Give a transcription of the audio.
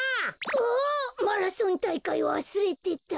マラソンたいかいわすれてた。